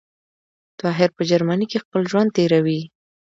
طاهر په جرمنی کي خپل ژوند تیروی